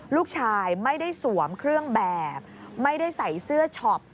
ลูกชายไม่ได้สวมเครื่องแบบไม่ได้ใส่เสื้อช็อป